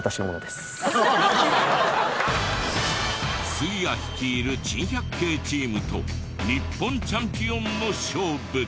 杉谷率いる珍百景チームと日本チャンピオンの勝負。